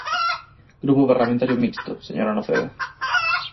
Grupo Parlamentario Mixto, señora Noceda.